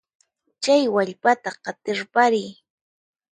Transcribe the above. Chay wallpata qatirpariy.